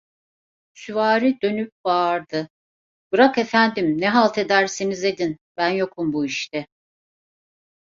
Süvari dönüp bağırdı: "Bırak efendim, ne halt ederseniz edin, ben yokum bu işte!"